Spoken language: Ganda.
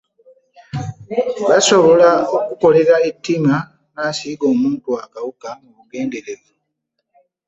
Basobola okukukolera ettima n'asiiga omuntu wo akawuka mu bugenderevu